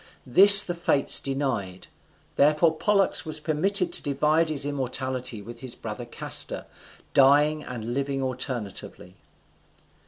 This the Fates denied; therefore Pollux was permitted to divide his immortality with his brother Castor, dying and living alternately.